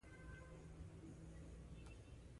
غربې قدرتونو همغږۍ په وجه میدان تنګ شوی.